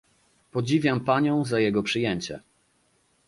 Podziwiam panią za jego przyjęcie